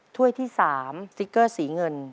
ถ้วยที่๓สติ๊กเกอร์สีเงิน